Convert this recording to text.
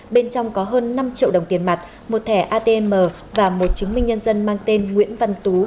bên trong có hơn năm triệu đồng tiền mặt một thẻ atm và một chứng minh nhân dân mang tên nguyễn văn tú